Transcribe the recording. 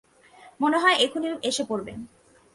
মনে হয় এখুনি এসে পড়বেন।